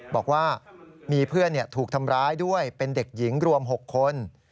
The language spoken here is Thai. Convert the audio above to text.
บอกว่ามีเพื่อนถูกทำร้ายด้วยเป็นเด็กหญิงรวม๖คน